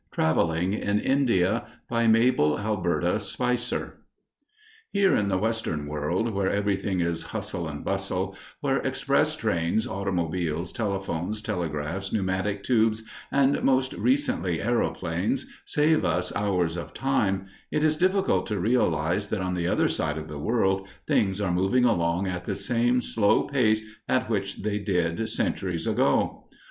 TRAVELING IN INDIA BY MABEL ALBERTA SPICER Here in the Western world, where everything is hustle and bustle, where express trains, automobiles, telephones, telegraphs, pneumatic tubes, and, most recently, aëroplanes save us hours of time, it is difficult to realize that on the other side of the world things are moving along at the same slow pace at which they did centuries ago.